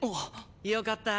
よかった